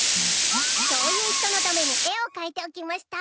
そういう人のために絵を描いておきました。